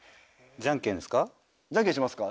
じゃんけんしますか。